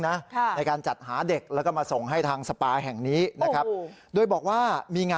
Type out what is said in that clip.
ในการจัดหาเด็กแล้วก็มาส่งให้ทางสปาแห่งนี้